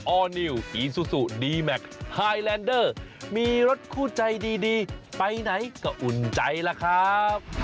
อร์นิวอีซูซูดีแมคไฮแลนเดอร์มีรถคู่ใจดีไปไหนก็อุ่นใจล่ะครับ